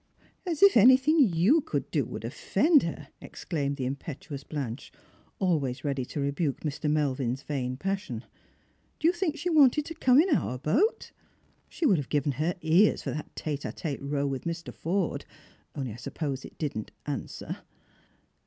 " As if anything you could do would offend her !" exclaimed the impetuous Blanche, always ready to rebuke Mr. Melvin 's vain passion. " Do you think she wanted to come in our boat ? She 48 Strangers and Pilgrims. would have given lier ears for that tete a tete row with Mr. Fordo, caily I suppose it didn't answer."